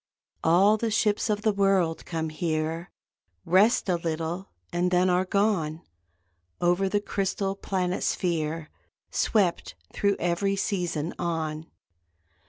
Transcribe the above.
All the ships of the world come here, Rest a little and then are gone, Over the crystal planet sphere Swept, thro every season, on.